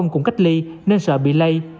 cũng cách ly nên sợ bị lây